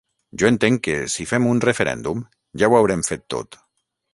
Jo entenc que, si fem un referèndum, ja ho haurem fet tot.